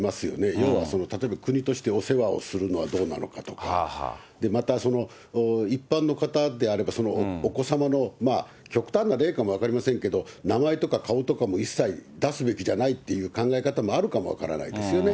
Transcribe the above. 要は例えば国としてお世話をするのはどうなのかとか、また一般の方であれば、お子様も、極端な例かも分かりませんけれども、名前とか顔とかも一切、出すべきじゃないっていう考え方もあるかも分からないですよね。